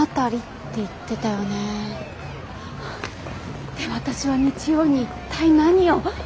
って私は日曜に一体何を。